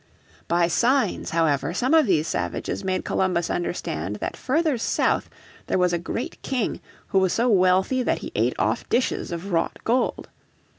By signs, however, some of these savages made Columbus understand that further south there was a great king who was so wealthy that he ate off dishes of wrought gold.